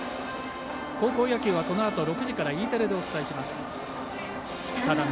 高校野球はこのあと６時からＥテレでお伝えします。